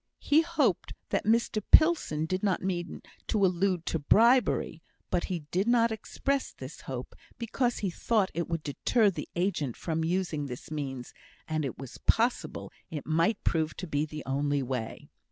He hoped that Mr Pilson did not mean to allude to bribery; but he did not express this hope, because he thought it would deter the agent from using this means, and it was possible it might prove to be the only way.